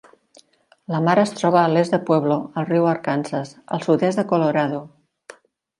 Lamar es troba a l'est de Pueblo, al riu Arkansas, al sud-est de Colorado.